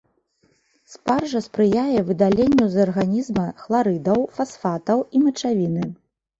Спаржа спрыяе выдаленню з арганізма хларыдаў, фасфатаў і мачавіны.